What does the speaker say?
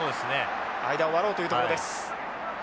間を割ろうというところです。